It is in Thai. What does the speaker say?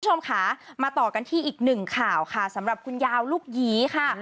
คุณผู้ชมค่ะมาต่อกันที่อีกหนึ่งข่าวค่ะสำหรับคุณยาวลูกหยีค่ะ